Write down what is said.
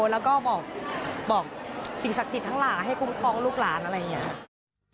แล้วก็บอกสิ่งศักดิ์สิทธิ์ทั้งหลายให้คุ้มครองลูกหลานอะไรอย่างนี้